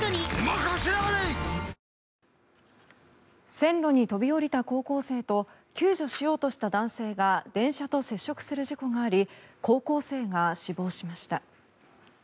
線路に飛び降りた高校生と救助しようとした男性が電車と接触する事故があり高校生が死亡しました。